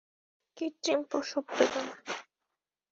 কৃত্রিম প্রসব বেদনা।